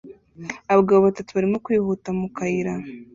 Abagabo batatu barimo kwihuta mu kayira